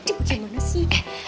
itu gimana sih